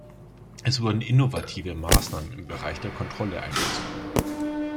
Es wurden innovative Maßnahmen im Bereich der Kontrolle einbezogen.